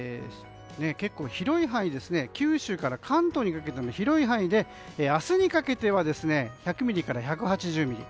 九州から関東にかけての広い範囲で明日にかけては１００ミリから１８０ミリ。